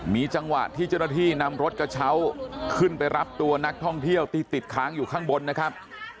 มีจังหวะที่เจ้าหน้าที่นำรถกระเช้าขึ้นไปรับตัวนักท่องเที่ยวที่ติดค้างอยู่ข้างบนนะครับ